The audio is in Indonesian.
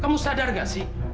kamu sadar nggak sih